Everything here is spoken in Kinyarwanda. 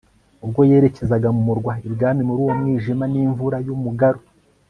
Ubwo yerekezaga mu murwa ibwami muri uwo mwijima nimvura yumugaru